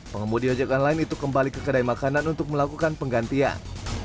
pengemudi ojek online itu kembali ke kedai makanan untuk melakukan penggantian